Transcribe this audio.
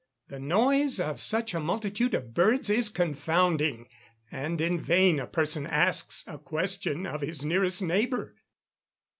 The noise of such a multitude of birds is confounding, and in vain a person asks a question of his nearest neighbour.